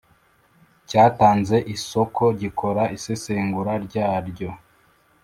cyatanze isoko gikora isesengura ryaryo